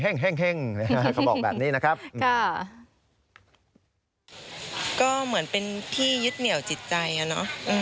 เขาบอกแบบนี้นะครับค่ะก็เหมือนเป็นที่ยึดเหนี่ยวจิตใจอ่ะเนอะ